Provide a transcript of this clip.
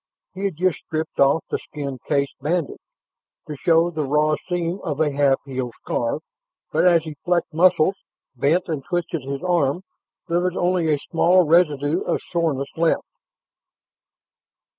He had just stripped off the skin case bandage, to show the raw seam of a half healed scar, but as he flexed muscles, bent and twisted his arm, there was only a small residue of soreness left.